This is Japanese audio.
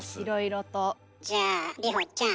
じゃあ里帆ちゃん。